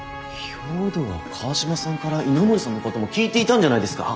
兵藤は川島さんから稲森さんのことも聞いていたんじゃないですか？